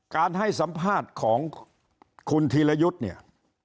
การให้สัมภาษณ์ของคุณธีรยุทธ์เนี่ย